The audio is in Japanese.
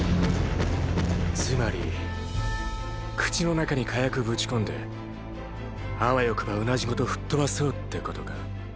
つまり口の中に火薬ぶち込んであわよくばうなじごと吹っ飛ばそうってことか？